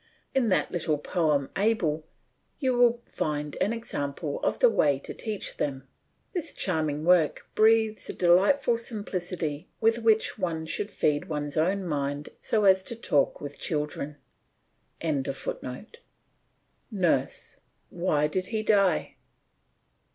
In that little poem "Abel" you will find an example of the way to teach them. This charming work breathes a delightful simplicity with which one should feed one's own mind so as to talk with children.] NURSE: Why did he die?